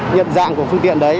nhận dạng của phương tiện đấy